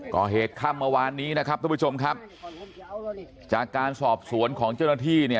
ก่อเหตุค่ำเมื่อวานนี้นะครับทุกผู้ชมครับจากการสอบสวนของเจ้าหน้าที่เนี่ย